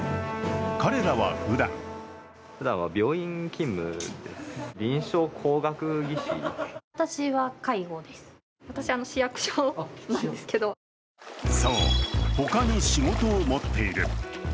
彼らはふだんそう、他に仕事を持っている。